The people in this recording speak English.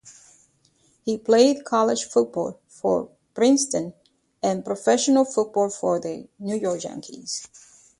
He played college football for Princeton and professional football for the New York Yankees.